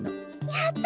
やった！